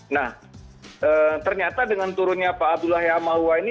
nah ternyata dengan turunnya pak abdullah hehamahua ini